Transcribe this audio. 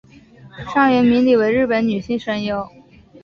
上原明里为日本女性声优。